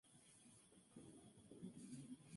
El quinto número lo haría el mismo Wheeler-Nicholson.